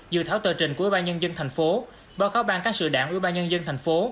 dự tháo tờ trình của ủy ban nhân dân tp báo cáo bang ca sử đảng ủy ban nhân dân tp